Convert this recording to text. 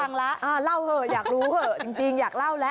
ฟังแล้วเล่าเหอะอยากรู้เถอะจริงอยากเล่าแล้ว